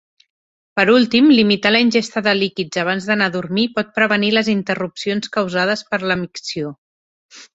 Per últim, limitar la ingesta de líquids abans d'anar a dormir pot prevenir les interrupcions causades per la micció.